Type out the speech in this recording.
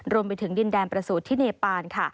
รวมไปถึงดินแดนประสูจน์ที่เนปานค่ะ